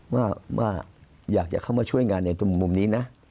ว่าอยากจะเข้ามาช่วยงานในมุมนี้นะ